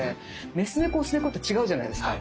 メス猫オス猫って違うじゃないですか。